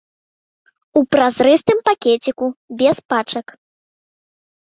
У празрыстым пакеціку, без пачак.